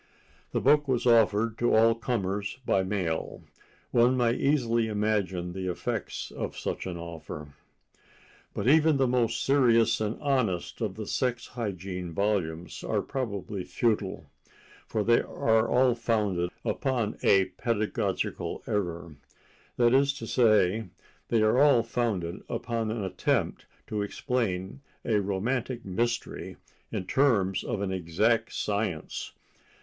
The book was offered to all comers by mail. One may easily imagine the effects of such an offer. But even the most serious and honest of the sex hygiene volumes are probably futile, for they are all founded upon a pedagogical error. That is to say, they are all founded upon an attempt to explain a romantic mystery in terms of an exact science.